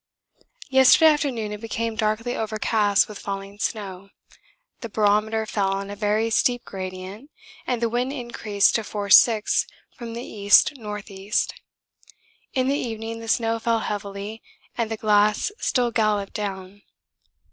Yesterday afternoon it became darkly overcast with falling snow. The barometer fell on a very steep gradient and the wind increased to force 6 from the E.N.E. In the evening the snow fell heavily and the glass still galloped down.